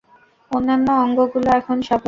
অন্যান্য অঙ্গগুলো এখন স্বাভাবিক?